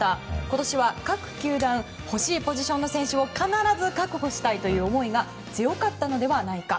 今年は、各球団欲しいポジションの選手を必ず確保したいという思いが強かったのではないか。